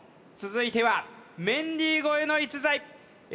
続いてはメンディー超えの逸材ＥＸＩＬＥ